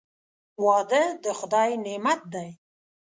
• واده د خدای نعمت دی.